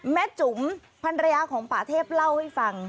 จุ๋มพันรยาของป่าเทพเล่าให้ฟัง